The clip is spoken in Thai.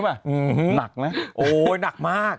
จริงกับนักนะโหนักมาก